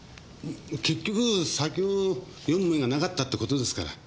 結局先を読む目がなかったってことですから。